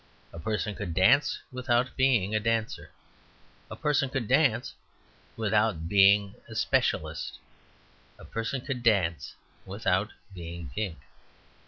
A person could dance without being a dancer; a person could dance without being a specialist; a person could dance without being pink.